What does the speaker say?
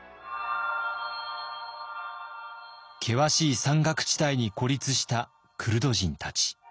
険しい山岳地帯に孤立したクルド人たち。